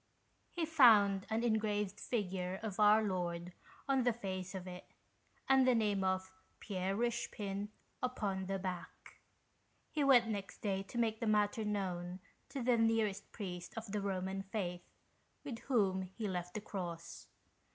He found an engraved figure of Our Lord on the face of it, and the name of Pierre Eichepin upon the back. He went next day to make the matter known to the nearest Priest of the Roman Faith, with whom he left the cross.